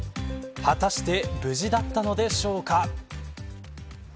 果たして無事だったのでしょうか。